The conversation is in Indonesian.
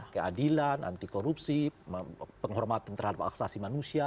keadilan anti korupsi penghormatan terhadap asasi manusia